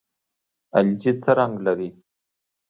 الجی څه رنګ لري؟